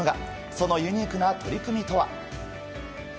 そのユニークな取り組みとは。